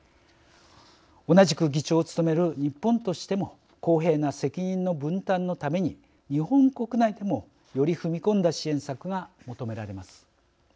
同じく議長を務める日本としても公平な責任の分担のために日本国内でもより踏み込んだ支援策が求められます。